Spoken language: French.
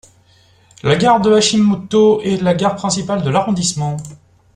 La gare de Hashimoto est la gare principale de l'arrondissement.